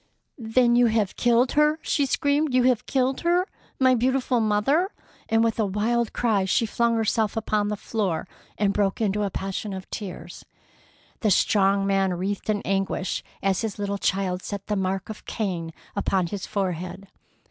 "Then you have killed her!" she screamed. "You have killed her! My beautiful mother!" and with a wild cry she flung herself upon the floor and broke into a passion of tears. The strong man writhed in anguish as his little child set the mark of Cain upon his forehead.